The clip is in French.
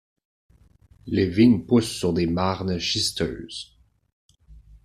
Les vignes poussent sur des marnes schisteuses.